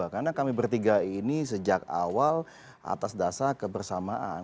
karena kami bertiga ini sejak awal atas dasar kebersamaan